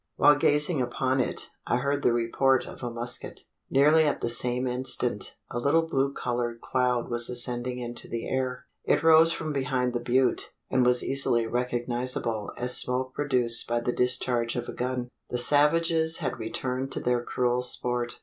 While gazing upon it, I heard the report of a musket. Nearly at the same instant, a little blue coloured cloud was ascending into the air. It rose from behind the butte; and was easily recognisable as smoke produced by the discharge of a gun. The savages had returned to their cruel sport.